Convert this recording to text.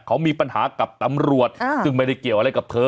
เขามีปัญหากับตำรวจซึ่งไม่ได้เกี่ยวอะไรกับเธอ